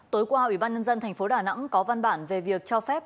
tối qua ủy ban nhân dân thành phố đà nẵng có văn bản về việc cho phép